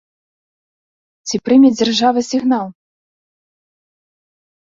Ці прыме дзяржава сігнал?